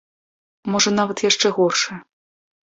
Можа нават яшчэ горшае.